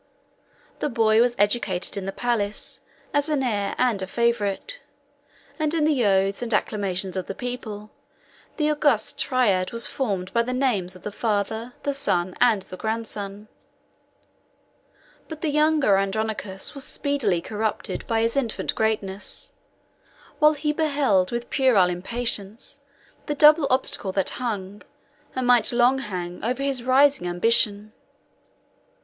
The boy was educated in the palace as an heir and a favorite; and in the oaths and acclamations of the people, the august triad was formed by the names of the father, the son, and the grandson. But the younger Andronicus was speedily corrupted by his infant greatness, while he beheld with puerile impatience the double obstacle that hung, and might long hang, over his rising ambition.